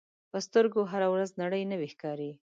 په سترګو هره ورځ نړۍ نوې ښکاري